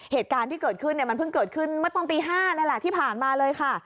เหตุการณ์ที่เกิดขึ้นเนี่ยมันเพิ่งเกิดขึ้นเมื่อตอนตี๕นั่นแหละที่ผ่านมาเลยค่ะ